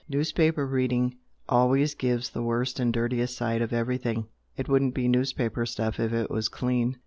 Newspaper reading always gives the worst and dirtiest side of everything it wouldn't be newspaper stuff if it was clean.